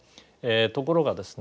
ところがですね